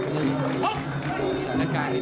นี่คือยอดมวยแท้รัก